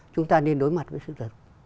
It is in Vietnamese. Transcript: chúng ta nên đối mặt với sự thật